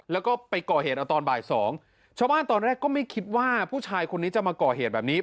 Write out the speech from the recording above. แล้วก็ไปก่อเหตุเอาตอนบ่ายสองชาวบ้านตอนแรกก็ไม่คิดว่าผู้ชายคนนี้จะมาก่อเหตุแบบนี้